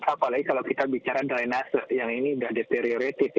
apalagi kalau kita bicara drainase yang ini sudah deteriorated